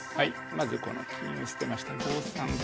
まずこの金を捨てまして５三金。